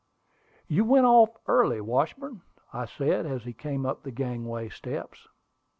"You went off early, Washburn," I said, as he came up the gangway steps.